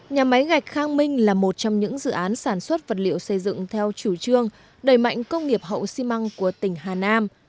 nhà máy gạch khang minh là một trong những dự án sản xuất vật liệu xây dựng theo chủ trương đẩy mạnh công nghiệp hậu xi măng của tỉnh hà nam